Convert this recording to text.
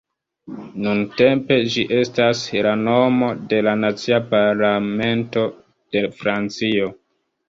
Nuntempe ĝi estas la nomo de la nacia parlamento de Francio.